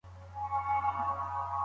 بدن د لمر پرته ویټامن ډي نه جوړوي.